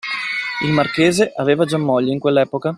Il marchese aveva già moglie in quell'epoca?